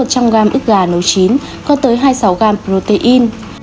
trong một trăm linh g ức gà nấu chín có tới hai mươi sáu g protein